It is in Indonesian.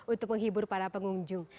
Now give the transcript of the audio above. untuk menghibur para pengunjung